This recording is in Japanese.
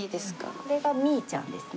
これがミイちゃんですね。